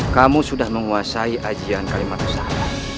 kamu sudah menguasai ajian kalimat usaha